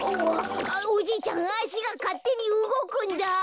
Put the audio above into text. おじいちゃんあしがかってにうごくんだ。